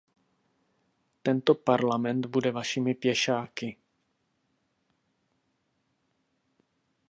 Tento Parlament bude vašimi pěšáky.